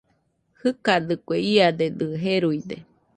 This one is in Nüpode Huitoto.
Jɨkadɨkue, iadedɨ jeruide